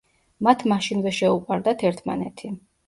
მათ მაშინვე შეუყვარდათ ერთმანეთი.